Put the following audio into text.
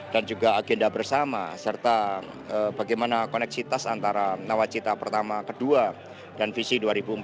juga agenda bersama serta bagaimana koneksitas antara nawacita pertama kedua dan visi dua ribu empat belas